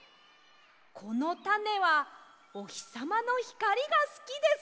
「このタネはおひさまのひかりがすきです」！